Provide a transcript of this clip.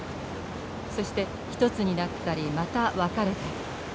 そして一つになったりまた分かれたり。